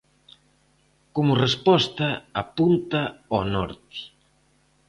Como resposta, apunta ao norte.